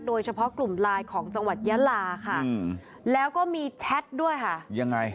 โดยเฉพาะกลุ่มไลน์ของจังหวัดยาลาค่ะแล้วก็มีแชทด้วยค่ะยังไง